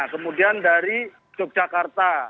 kemudian dari yogyakarta